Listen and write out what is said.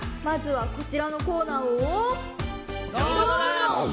まずはこちらのコーナーを。